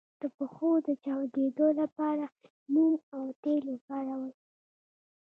د پښو د چاودیدو لپاره موم او تېل وکاروئ